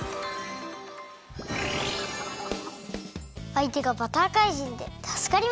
あいてがバターかいじんでたすかりましたね！